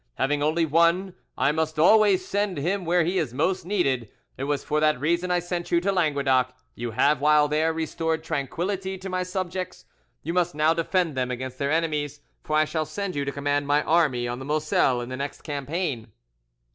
Having only one, I must always send him where he is most needed. It was for that reason I sent you to Languedoc. You have, while there, restored tranquillity to my subjects, you must now defend them against their enemies; for I shall send you to command my army on the Moselle in the next campaign."